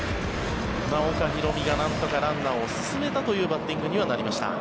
岡大海がなんとかランナーを進めたというバッティングにはなりました。